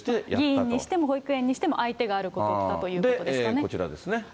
議員にしても保育園にしても、相手があることだということですで、こちらですね。